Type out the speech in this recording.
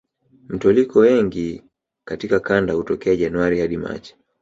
Mtoliko wengi katika kanda hutokea Januari hadi Machi